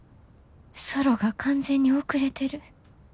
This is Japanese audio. ソロが完全に遅れてる。